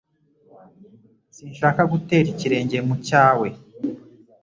Sinshaka gutera ikirenge mu cyawe